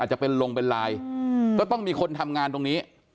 จะเป็นลงเป็นไลน์ก็ต้องมีคนทำงานตรงนี้